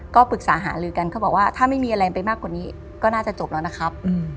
ก็ปรึกษาหาลือกันเขาบอกว่าถ้าไม่มีอะไรไปมากกว่านี้ก็น่าจะจบแล้วนะครับ